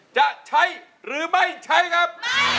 จะใช้หรือไม่ใช้ครับ